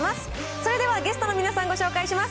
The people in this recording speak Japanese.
それではゲストの皆さん、ご紹介します。